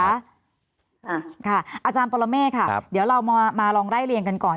ค่ะค่ะอาจารย์ปรเมฆค่ะเดี๋ยวเรามาลองไล่เรียงกันก่อน